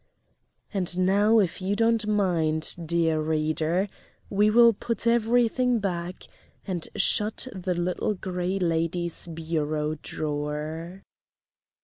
And now, if you don't mind, dear reader, we will put everything back and shut the Little Gray Lady's bureau drawer.